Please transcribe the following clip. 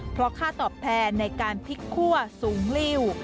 เพราะค่าตอบแพลนในการพิกขั้วสูงริ่ว